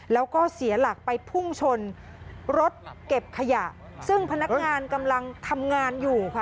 แล้วก็เสียหลักไปพุ่งชนรถเก็บขยะซึ่งพนักงานกำลังทำงานอยู่ค่ะ